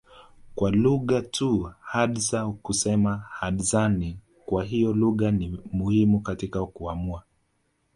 kwa lugha tu Hadza kusema Hadzane kwa hiyo lugha ni muhimu katika kuamua